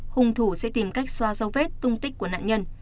hùng thủ sẽ tìm cách xoa dấu vết tung tích của nạn nhân